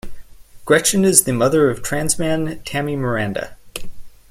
Gretchen is the mother of transman Thammy Miranda.